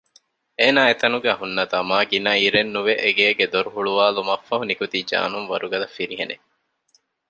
އޭނާ އެތަނުގައި ހުންނަތާ މާ ގިނައިރެއްނުވެ އެގޭގެ ދޮރު ހުޅުވާލުމަށްފަހު ނިކުތީ ޖާނުން ވަރުގަދަ ފިރިހެނެއް